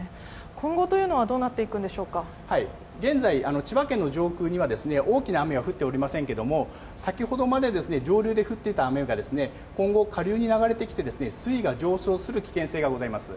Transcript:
今後というのはどうなっていくん現在、千葉県の上空には、大きな雨は降っておりませんけれども、先ほどまで上流で降っていた雨が、今後、下流に流れてきて、水位が上昇する危険性がございます。